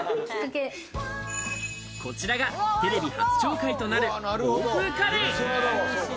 こちらがテレビ初紹介となる欧風カレー。